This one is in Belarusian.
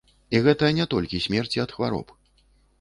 І гэта не толькі смерці ад хвароб.